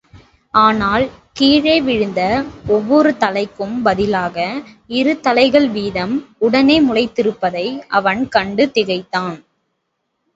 ஆனால் கீழே விழுந்த ஒவ்வொரு தலைக்கும் பதிலாக இரு தலைகள் வீதம் உடனே முளைத்திருப்பதை அவன் கண்டு திகைத்தான்.